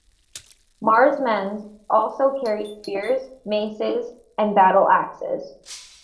Mar's men also carried spears, maces and battle axes.